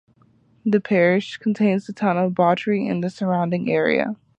The parish contains the town of Bawtry and the surrounding area.